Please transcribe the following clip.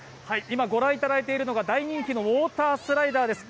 今、御覧いただいているのが、大人気のウオータースライダーです。